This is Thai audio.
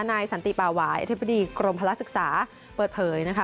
สันติป่าหวายอธิบดีกรมพลักษึกษาเปิดเผยนะคะ